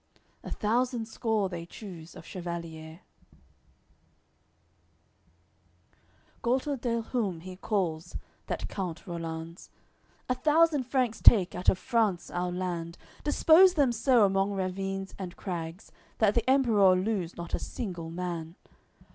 A thousand score they choose of chevaliers. AOI. LXV Gualter del Hum he calls, that Count Rollanz; "A thousand Franks take, out of France our land; Dispose them so, among ravines and crags, That the Emperour lose not a single man."